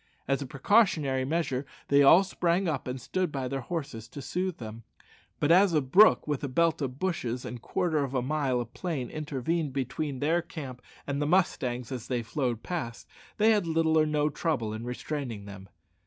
As a precautionary measure they all sprang up and stood by their horses to soothe them, but as a brook with a belt of bushes and quarter of a mile of plain intervened between their camp and the mustangs as they flew past, they had little or no trouble in restraining them.